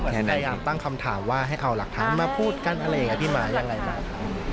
ใครอยากตั้งคำถามว่าให้เอาหลักฐานมาพูดกันอะไรกับพี่มายังไงครับ